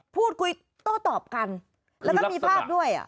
พูดกุยต้อตอบกันและมีภาพด้วย